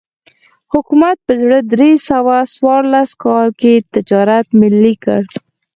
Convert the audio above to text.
حکومت په زر درې سوه څوارلس کال کې تجارت ملي کړ.